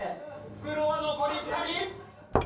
プロは残り２人！